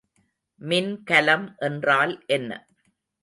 மின்கலம் என்றால் என்ன?